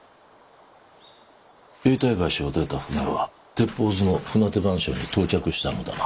永代橋を出た船は鉄砲洲の船手番所に到着したのだな？